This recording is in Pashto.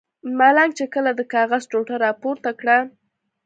ملنګ چې کله د کاغذ ټوټه را پورته کړه.